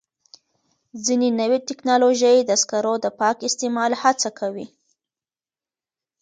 ځینې نوې ټکنالوژۍ د سکرو د پاک استعمال هڅه کوي.